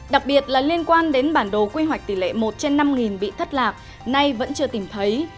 đặc biệt là liên quan đến bản đồ quy hoạch tỷ lệ một trên năm bị thất lạc nay vẫn chưa tìm thấy